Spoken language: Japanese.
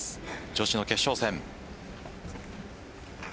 女子の決勝戦。